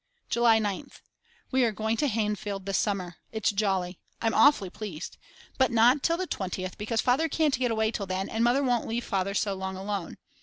July 9th. We are going to Hainfeld this summer, its jolly, I'm awfully pleased; but not until the 20th because Father can't get away till then and Mother won't leave Father so long alone.